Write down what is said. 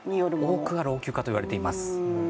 多くが老朽化といわれています。